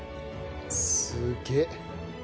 すげえ。